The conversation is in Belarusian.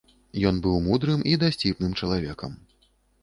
Ён быў мудрым і дасціпным чалавекам.